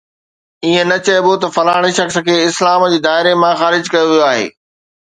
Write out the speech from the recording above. ائين نه چئبو ته فلاڻي شخص کي اسلام جي دائري مان خارج ڪيو ويو آهي